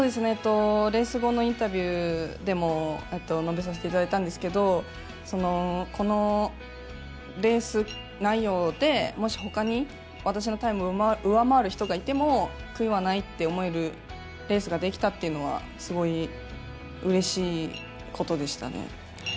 レース後のインタビューでも述べさせていただいたんですけどこのレース内容でもし他に私のタイムを上回る人がいても悔いはないと思えるレースができたというのはすごいうれしいことでしたね。